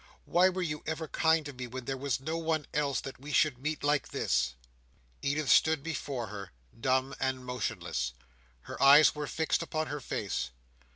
Why were you ever kind to me when there was no one else, that we should meet like this?" Edith stood before her, dumb and motionless. Her eyes were fixed upon her face.